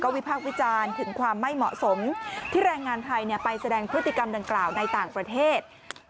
วิพากษ์วิจารณ์ถึงความไม่เหมาะสมที่แรงงานไทยไปแสดงพฤติกรรมดังกล่าวในต่างประเทศ